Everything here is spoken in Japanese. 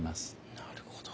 なるほど。